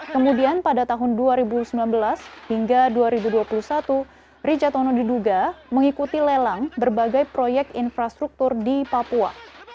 kemudian pada tahun dua ribu sembilan belas hingga dua ribu dua puluh satu richartono diduga mengikuti lelang berbagai proyek infrastruktur di papua